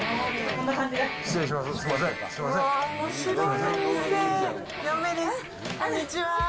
こんにちは。